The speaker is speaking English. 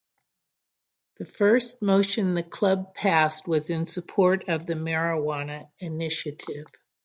The first motion the club passed was in support of the marijuana initiative.